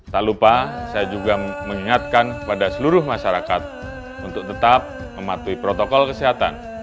tak lupa saya juga mengingatkan kepada seluruh masyarakat untuk tetap mematuhi protokol kesehatan